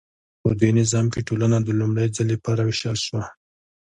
په دې نظام کې ټولنه د لومړي ځل لپاره ویشل شوه.